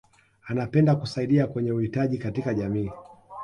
anapenda kusaidia wenye uhitaji katika jamii